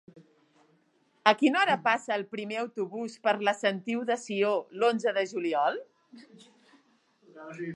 A quina hora passa el primer autobús per la Sentiu de Sió l'onze de juliol?